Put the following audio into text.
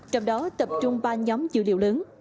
trong đó tập trung ba nhóm dữ liệu lớn